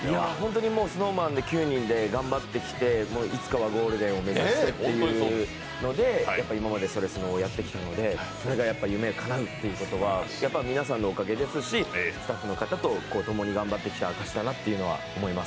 ＳｎｏｗＭａｎで９人が頑張ってきていつかはゴールデンを目指してというので今まで「それスノ」をやってきたので、夢がかなうというのは皆さんのおかげですし、スタッフの方とともに頑張ってきた証しだなと思います。